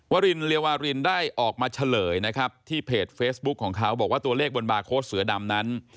วรินเรียวารินได้ออกมาเฉลยนะครับที่เพจเฟซบุ๊คของเขาบอกว่าตัวเลขบนบาร์โค้ดเสือดำนั้น